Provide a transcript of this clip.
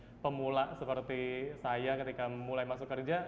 ada pemula seperti saya ketika mulai masuk kerja